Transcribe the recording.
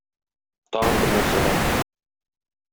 Тагын бер нәрсә бар.